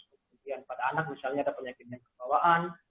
kemudian pada anak misalnya ada penyakit yang kebawaan